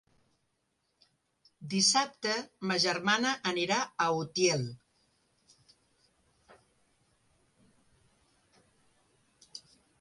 Dissabte ma germana anirà a Utiel.